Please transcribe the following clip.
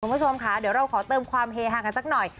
คุณผู้ชมค่ะเดี๋ยวเราขอเติมความเฮฮากันสักหน่อย